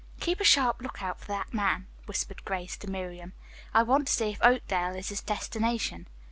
"Keep a sharp lookout for that man," whispered Grace to Miriam. "I want to see if Oakdale is his destination."